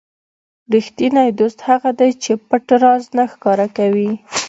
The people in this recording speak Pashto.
ریښتینی دوست هغه دی چې پټ راز نه ښکاره کړي.